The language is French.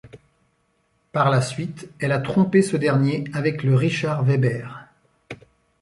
Par la suite, elle a trompé ce dernier avec le Richard Webber.